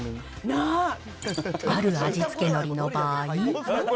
ある味付けのりの場合。